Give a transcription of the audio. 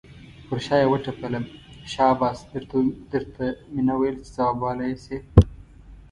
پر شا یې وټپلم، شاباس در ته مې نه ویل چې ځوابولی یې شې.